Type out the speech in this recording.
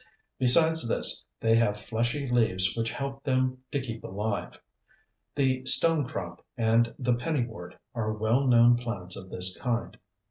Besides this, they have fleshy leaves which help them to keep alive. The Stone crop and the Penny wort are well known plants of this kind.